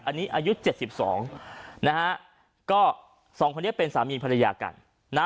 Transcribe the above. อันนี้อายุเจ็ดสิบสองนะฮะก็สองคนนี้เป็นสามีภรรยากันนะ